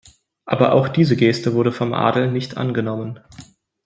Aber auch diese Geste wurde vom Adel nicht angenommen.